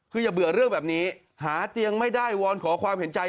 คืออย่าเบื่อเรื่องแบบนี้หาเตียงไม่ได้วอนขอความเห็นใจ